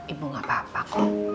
ibu gak apa apa kok